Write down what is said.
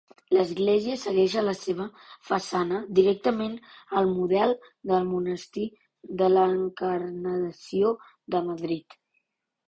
L'església segueix en la seva façana directament el model del monestir de l'Encarnació de Madrid.